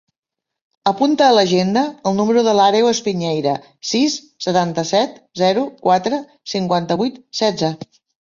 Apunta a l'agenda el número de l'Àreu Espiñeira: sis, setanta-set, zero, quatre, cinquanta-vuit, setze.